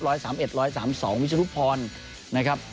ร้อยสามเอ็ดร้อยสามสองวิศุพรนะครับ